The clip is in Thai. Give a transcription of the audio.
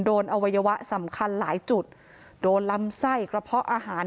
อวัยวะสำคัญหลายจุดโดนลำไส้กระเพาะอาหาร